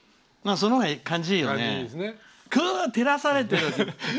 そのほうが、感じいいよね。